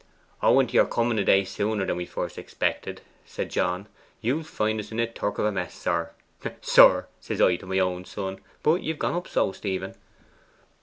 'Owing to your coming a day sooner than we first expected,' said John, 'you'll find us in a turk of a mess, sir "sir," says I to my own son! but ye've gone up so, Stephen.